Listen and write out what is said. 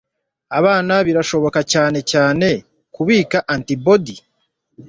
Abana birashoboka cyane cyane kubika antibodi,